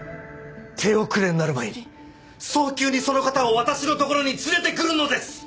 手遅れになる前に早急にその方を私のところに連れてくるのです！